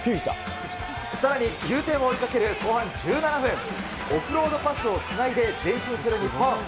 さらに１２点を追いかける後半１７分、オフロードパスをつないで前進する日本。